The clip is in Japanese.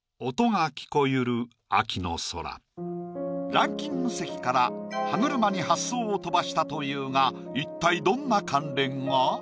ランキング席から歯車に発想を飛ばしたというが一体どんな関連が？